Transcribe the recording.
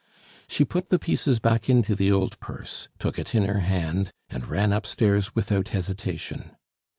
She put the pieces back into the old purse, took it in her hand, and ran upstairs without hesitation.